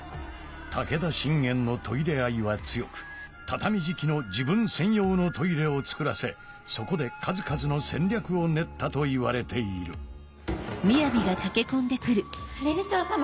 武田信玄のトイレ愛は強く畳敷きの自分専用のトイレを作らせそこで数々の戦略を練ったといわれている理事長様！